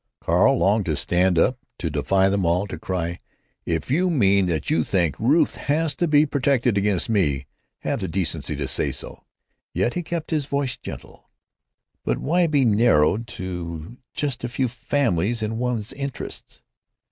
" Carl longed to stand up, to defy them all, to cry: "If you mean that you think Ruth has to be protected against me, have the decency to say so." Yet he kept his voice gentle: "But why be narrowed to just a few families in one's interests?